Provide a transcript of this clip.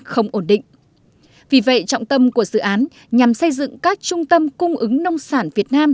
không ổn định vì vậy trọng tâm của dự án nhằm xây dựng các trung tâm cung ứng nông sản việt nam